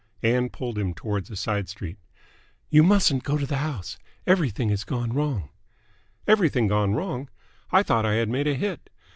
Ann pulled him towards a side street. "You mustn't go to the house. Everything has gone wrong." "Everything gone wrong? I thought I had made a hit.